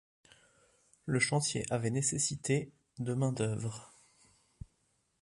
Le chantier avait nécessité de main-d'œuvre.